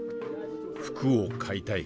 「服を買いたい」。